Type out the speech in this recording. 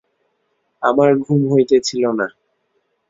আমার ঘুম হইতেছিল না।